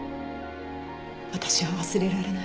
私は忘れられない。